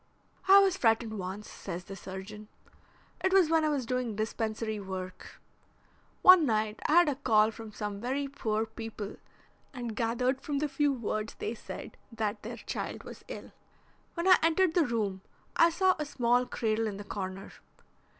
"I was frightened once," says the surgeon. "It was when I was doing dispensary work. One night I had a call from some very poor people, and gathered from the few words they said that their child was ill. When I entered the room I saw a small cradle in the corner.